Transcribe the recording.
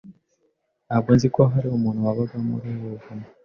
Ntabwo nzi ko hari umuntu wabaga muri ubu buvumo.